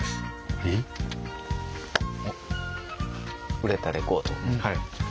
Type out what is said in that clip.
売れたレコード。